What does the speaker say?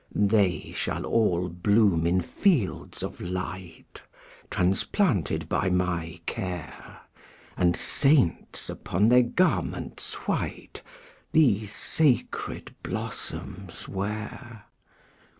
``They shall all bloom in fields of light, Transplanted by my care, And saints, upon their garments white, These sacred blossoms wear.''